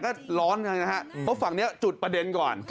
ก็ร้อนกันนะฮะเพราะฝั่งนี้จุดประเด็นก่อน